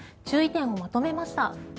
注意点をまとめました。